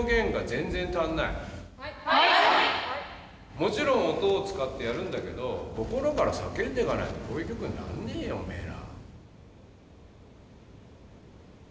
もちろん音を使ってやるんだけど心から叫んでかないとこういう曲になんねえよおめえら。